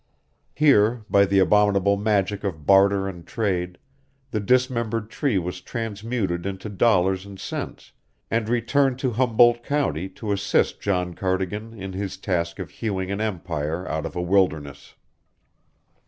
Here, by the abominable magic of barter and trade, the dismembered tree was transmuted into dollars and cents and returned to Humboldt County to assist John Cardigan in his task of hewing an empire out of a wilderness.